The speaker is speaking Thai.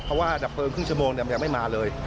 เพราะว่าดับเพลิงครึ่งชั่วโมงมันยังไม่มาเลย